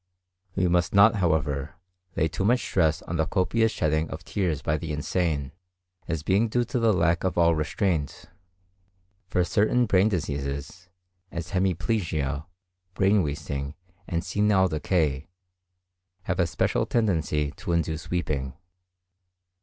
We must not, however, lay too much stress on the copious shedding of tears by the insane, as being due to the lack of all restraint; for certain brain diseases, as hemiplegia, brain wasting, and senile decay, have a special tendency to induce weeping.